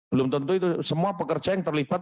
belum tentu itu semua pekerja yang terlibat